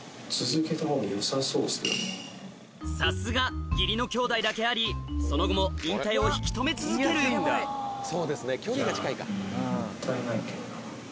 さすが義理の兄弟だけありその後も引退を引き留め続ける僕それこそ。